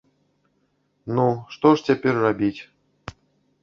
Ну, што ж цяпер рабіць?!